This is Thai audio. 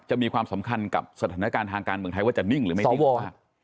มีความสำคัญกับสถานการณ์ทางการเมืองไทยว่าจะนิ่งหรือไม่นิ่งมาก